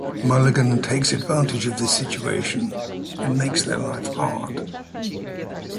Mulligan takes advantage of this situation and makes their life hard.